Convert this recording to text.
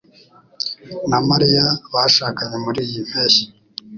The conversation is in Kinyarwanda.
na Mariya bashakanye muriyi mpeshyi